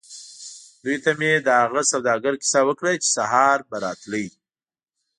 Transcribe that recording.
دوی ته مې د هغه سوداګر کیسه وکړه چې سهار به راتلو.